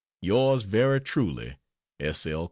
Yours very truly, S. L.